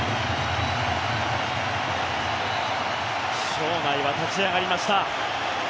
場内は立ち上がりました。